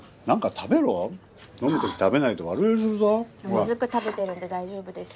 もずく食べてるんで大丈夫です。